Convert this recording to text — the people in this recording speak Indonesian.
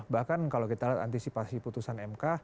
bahkan kalau kita lihat antisipasi putusan mk